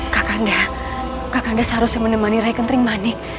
kak kanda kak kanda seharusnya menemani rai kentering manik